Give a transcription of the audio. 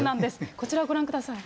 こちらをご覧ください。